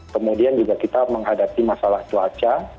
kemudian juga kita menghadapi masalah cuaca